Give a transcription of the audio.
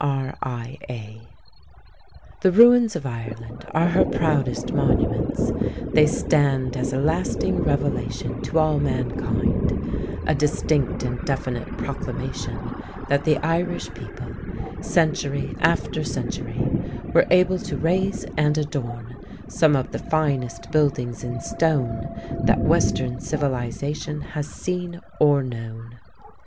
R.I.A. The ruins of Ireland are her proudest monuments. They stand as a lasting revelation to all mankind a distinct and definite proclamation that the Irish people, century after century, were able to raise and adorn some of the finest buildings in stone that western civilization has seen or known.